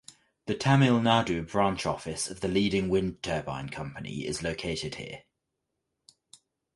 The Tamil Nadu branch office of the leading wind turbine company is located here.